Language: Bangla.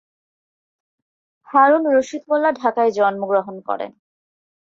হারুন রশীদ মোল্লা ঢাকায় জন্মগ্রহণ করেন।